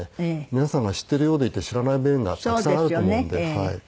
皆さんが知っているようでいて知らない面がたくさんあると思うので。